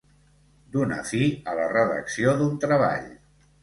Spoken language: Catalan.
Donar fi a la redacció d'un treball.